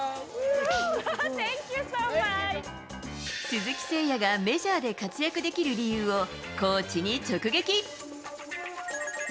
鈴木誠也がメジャーで活躍できる理由を、コーチに直撃。